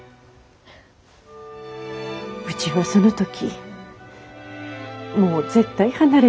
うちはその時もう絶対離れないと決めた。